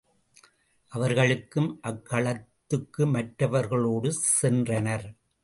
அவர்களும் அக்களத்துக்கு மற்றவர்களோடு சென்றனர்.